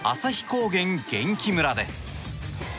高原元気村です。